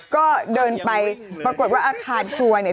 ก็เดินไปปรากฏว่าอาคารครัวเนี่ย